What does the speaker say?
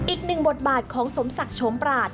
อีกหนึ่งบทบาทของสมศักดิ์โฉมปราศ